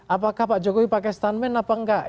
apakah pak jokowi pakai stuntman apa enggak